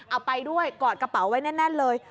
เอาไปด้วยกอดกระเป๋าไว้แน่นเลย